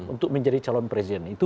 untuk menjadi calon presiden